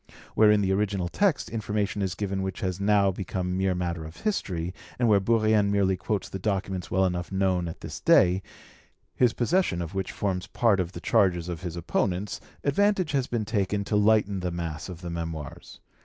Where in the original text information is given which has now become mere matter of history, and where Bourrienne merely quotes the documents well enough known at this day, his possession of which forms part of the charges of his opponents, advantage has been taken to lighten the mass of the Memoirs.